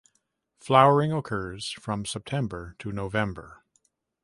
Flowering occcurs from September to November.